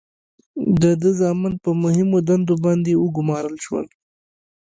د ده زامن په مهمو دندو باندې وګمارل شول.